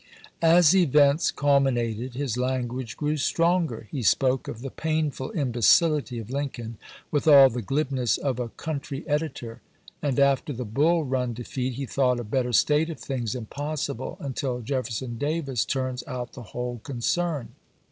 As events culminated, his language grew stronger ; he spoke of the " painful imbecility of Lincoln " with all the glibness of a country editor, and after the Bull Run defeat he thought a better state of things impossible "until Jefferson Davis turns out the whole concern."